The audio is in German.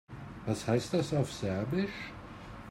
Was heißt das auf Serbisch?